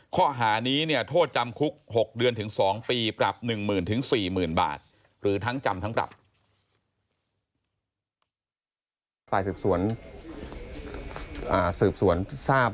ข้อหานี้เนี่ยโทษจำคุก๖เดือนถึง๒ปีปรับ๑๐๐๐๔๐๐๐บาทหรือทั้งจำทั้งปรับ